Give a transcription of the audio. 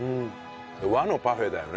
和のパフェだよね